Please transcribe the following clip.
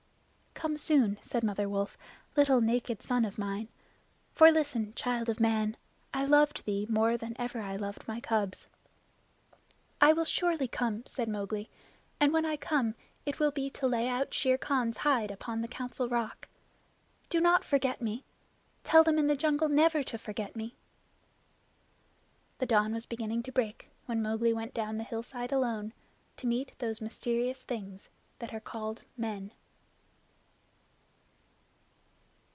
"Come soon," said Mother Wolf, "little naked son of mine. For, listen, child of man, I loved thee more than ever I loved my cubs." "I will surely come," said Mowgli. "And when I come it will be to lay out Shere Khan's hide upon the Council Rock. Do not forget me! Tell them in the jungle never to forget me!" The dawn was beginning to break when Mowgli went down the hillside alone, to meet those mysterious things that are called men.